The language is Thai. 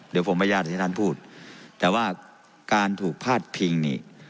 เดี๋ยวผมอนุญาตให้ท่านพูดแต่ว่าการถูกพาดพิงนี่